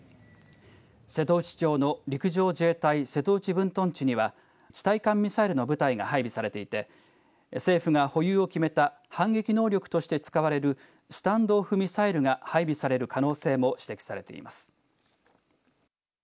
瀬戸内町の陸上自衛隊瀬戸内分屯地には地対艦ミサイルの部隊が配備されていて政府が保有を決めた反撃能力として使われるスタンド・オフ・ミサイルが配備される可能性も指摘されています。